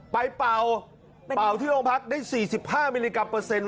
เป่าเป่าที่โรงพักได้๔๕มิลลิกรัมเปอร์เซ็นต